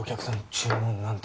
注文なんて？